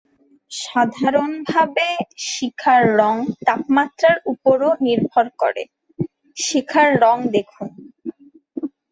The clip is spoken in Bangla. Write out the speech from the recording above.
সাধারণভাবে শিখার রঙ তাপমাত্রার উপরও নির্ভর করে; শিখার রঙ দেখুন।